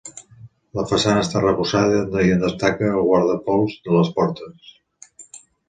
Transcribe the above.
La façana està arrebossada i en destaca el guardapols de les portes.